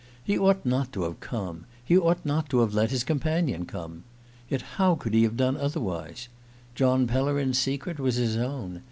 He ought not to have come; he ought not to have let his companion come. Yet how could he have done otherwise? John Pellerin's secret was his own.